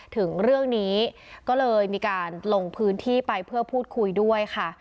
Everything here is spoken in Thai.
ถึงเรื่องนี้ก็เลยมีการลงพื้นที่ไปเพื่อพูดคุยด้วยค่ะ